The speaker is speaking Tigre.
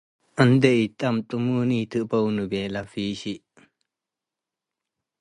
“እንዴ ኢትጠምጥሙኒ ኢትእበውኒ” በለ ፊሺ።